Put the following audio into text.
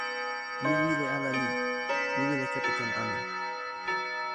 mi wile ala ni: mi wile kepeken anu.